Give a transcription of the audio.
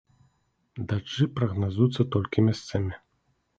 Дажджы прагназуюцца толькі месцамі.